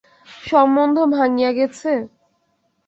সম্বন্ধ ভাঙিয়া গেছে?